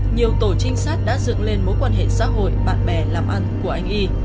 nhiều tổ trinh sát đã dựng lên mối quan hệ xã hội bạn bè làm ăn của anh y